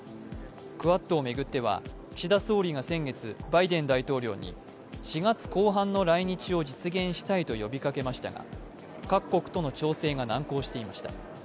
クアッドを巡っては岸田総理が先月バイデン大統領に４月後半の来日を実現したいと呼びかけましたが、各国との調整が難航していました。